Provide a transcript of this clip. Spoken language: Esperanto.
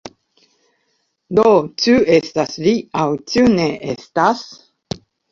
Do, ĉu estas li aŭ ĉu ne estas?